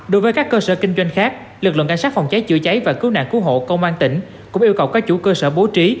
đối với các cơ sở kinh doanh khác lực lượng cảnh sát phòng cháy chữa cháy và cứu nạn cứu hộ công an tỉnh cũng yêu cầu các chủ cơ sở bố trí